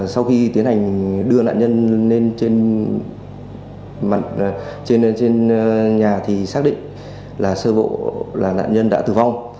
sau khi tiến hành đưa nạn nhân lên trên mặt trên nhà thì xác định là sơ bộ là nạn nhân đã tử vong